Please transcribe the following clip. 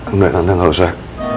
nggak tante nggak usah